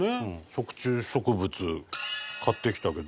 食虫植物買ってきたけど。